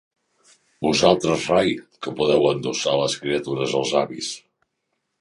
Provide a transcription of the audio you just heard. Vosaltres rai, que podeu endossar les criatures als avis.